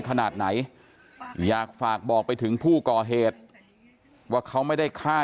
ขนาดไหนอยากฝากบอกไปถึงผู้ก่อเหตุว่าเขาไม่ได้ฆ่า